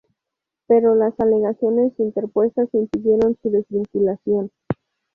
Pero las alegaciones interpuestas impidieron su desvinculación.